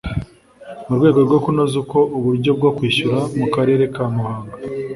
mu rwego rwo kunoza uko uburyo bwo kwishyura mu karere ka muhanga